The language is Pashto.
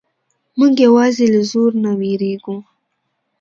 موږ یوازې له زور نه وېریږو.